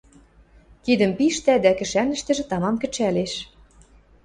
Кидӹм пиштӓ дӓ кӹшӓнӹштӹжӹ тамам кӹчӓлеш.